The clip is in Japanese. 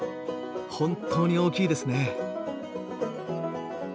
本当に大きいですね。